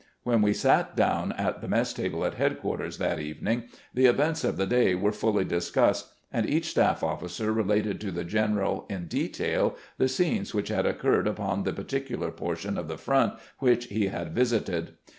"When we sat down at the mess table at headquarters that evening, the events of the day were fully discussed, and each staff officer related to the general in detail the scenes which had occurred upon the particular portion of the front which he had visited.